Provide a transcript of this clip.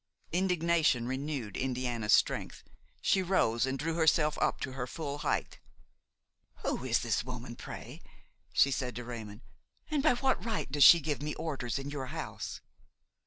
Indignation renewed Indiana's strength; she rose and drew herself up to her full height. "Who is this woman, pray?" she said to Raymon, "and by what right does she give me orders in your house?"